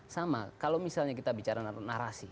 sama kalau misalnya kita bicara narasi